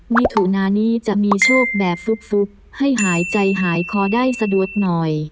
มิถุนานี้จะมีโชคแบบฟุบให้หายใจหายคอได้สะดวกหน่อย